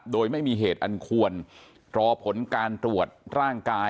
โดยไม่มีเหตุอันควรรอผลการตรวจร่างกาย